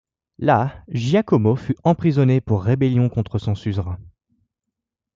Là, Giacomo fut emprisonné pour rébellion contre son suzerain.